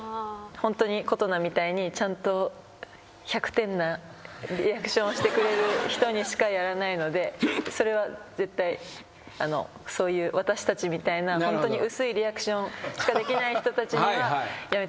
ホントに琴奈みたいにちゃんと１００点なリアクションをしてくれる人にしかやらないのでそれは絶対私たちみたいなホントに薄いリアクションしかできない人たちにはやめてほしいなと。